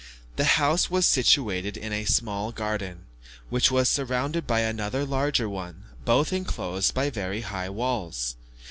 The house was situated in a small garden, which was surrounded by another larger one, both enclosed by very high walls.